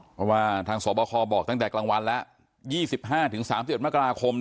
เพราะว่าทางสวบคบอกตั้งแต่กลางวันแล้ว๒๕๓๑มกราคม